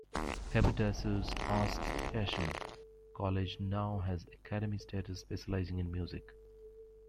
Haberdashers' Aske's Hatcham College now has academy status specialising in music.